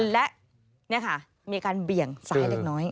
และนี่ค่ะมีการเบี่ยงซ้ายเล็กน้อย